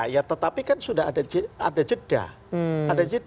ya tetapi kan sudah ada jeda